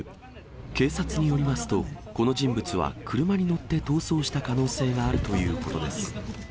警察によりますと、この人物は車に乗って逃走した可能性があるということです。